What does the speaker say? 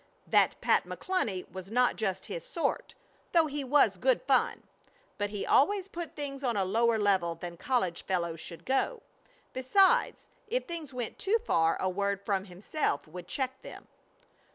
That Pat McCluny was not just his sort, though he was good fun. But he always put things on a lower level than college fellows should go. Besides, if things went too far a word from himself would check them.